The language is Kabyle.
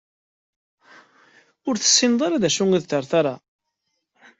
Ur tessineḍ ara d acu i d ṭerṭara?